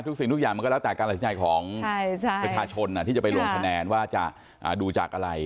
สิ่งทุกอย่างมันก็แล้วแต่การตัดสินใจของประชาชนที่จะไปลงคะแนนว่าจะดูจากอะไร